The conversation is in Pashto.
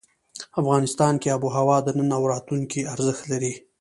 افغانستان کې آب وهوا د نن او راتلونکي ارزښت لري.